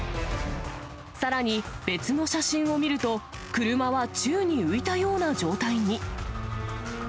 さらに別の写真を見ると、車は宙に浮いたような状態に。